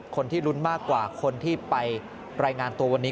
คนที่ลุ้นมากกว่าคนที่ไปรายงานตัววันนี้